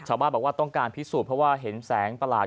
ชาวบ้านบอกว่าต้องการพิสูจน์เพราะว่าเห็นแสงประหลาด